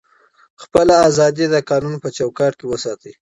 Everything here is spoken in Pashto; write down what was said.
خپله ازادي د قانون په چوکاټ کي وساتئ.